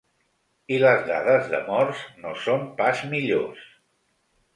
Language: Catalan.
I les dades de morts no són pas millors.